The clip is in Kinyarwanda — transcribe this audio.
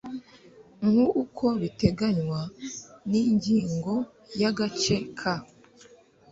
nk uko biteganywa n ingingo ya agace ka